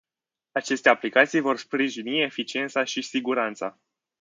Aceste aplicații vor sprijini eficiența și siguranța.